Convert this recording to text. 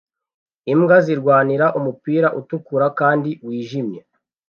Imbwa zirwanira umupira utukura kandi wijimye